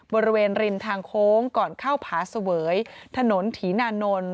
บริเวณริมทางโค้งก่อนเข้าผาเสวยถนนถีนานนท์